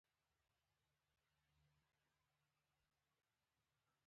فعلي جمله هغه ده، چي مبتدا او خبر ئې دواړه فعلونه يي.